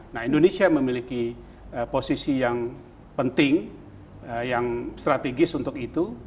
nah indonesia memiliki posisi yang penting yang strategis untuk itu